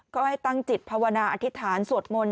ก็ให้ตั้งจิตภาวนาอธิษฐานสวดมนต์